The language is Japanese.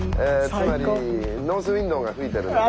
つまりノース・ウインドが吹いてるので。